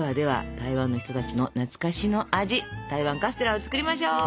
台湾カステラを作りましょう。